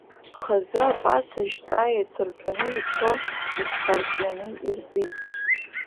Хазы акәац ажьҵаа еицырҭәаны ицо иҽҳәарҵәины ирӡит.